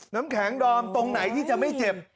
น้ำแข็งดอมตรงไหนที่จะไม่เจ็บ